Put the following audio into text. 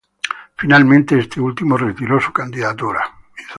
Finalmente este último retiró su candidatura.